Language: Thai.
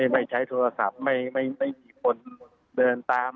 ไม่ใช้โทรศัพท์ไม่มีคนเดินตาม